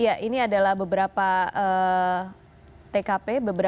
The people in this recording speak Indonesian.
ya ini adalah beberapa tkp